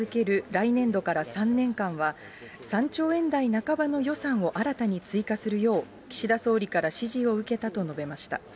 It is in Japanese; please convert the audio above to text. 来年度から３年間は、３兆円台半ばの予算を新たに追加するよう岸田総理から指示を受けたと述べました。